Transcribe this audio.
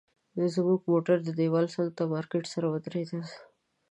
زموږ موټر د دیوال څنګ ته مارکیټ سره ودرېدل.